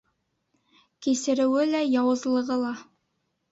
Кисереүе лә, яуызлығы ла —